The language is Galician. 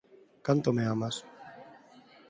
Canto me amas?